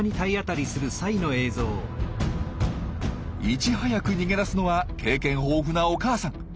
いち早く逃げ出すのは経験豊富なお母さん。